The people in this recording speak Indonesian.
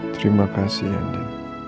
terima kasih yandi